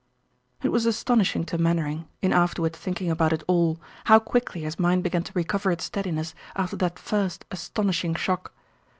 It was astonishing to Mainwaring, in afterward thinking about it all, how quickly his mind began to recover its steadiness after that first astonishing shock.